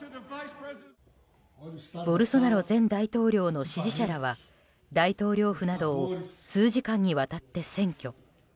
ボルソナロ前大統領の支持者らは大統領府などを数時間にわたって占拠。